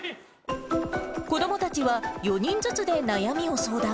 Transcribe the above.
子どもたちは４人ずつで悩みを相談。